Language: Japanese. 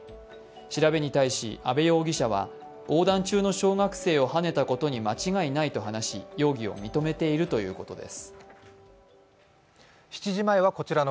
調べに対し阿部容疑者は横断中の小学生をはねたことに間違いないと話し容疑を認めているということです。